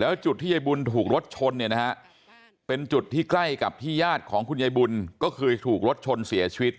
แล้วจุดที่ยายบุญถูกรถชนเนี่ยนะฮะเป็นจุดที่ใกล้กับที่ญาติของคุณยายบุญก็เคยถูกรถชนเสียชีวิต